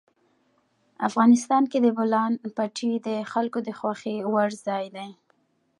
افغانستان کې د بولان پټي د خلکو د خوښې وړ ځای دی.